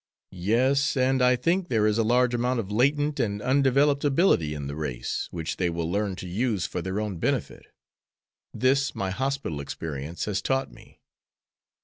"Yes, and I think there is a large amount of latent and undeveloped ability in the race, which they will learn to use for their own benefit. This my hospital experience has taught me."